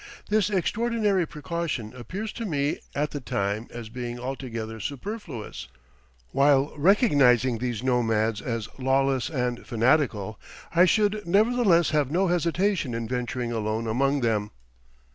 This extraordinary precaution appears to me at the time as being altogether superfluous; while recognizing these nomads as lawless and fanatical, I should nevertheless have no hesitation in venturing alone among them.